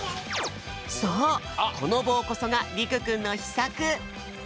そうこのぼうこそがりくくんのひさく！